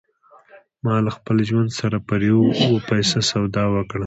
ما له خپل ژوند سره پر یوه پیسه سودا وکړه